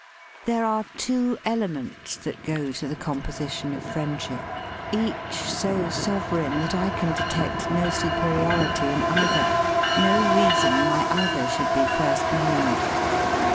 There are two elements that go to the composition of friendship, each so sovereign that I can detect no superiority in either, no reason why either should be first named.